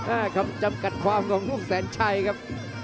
อ้าคำจำกัดความของลุงสัญชัยครับ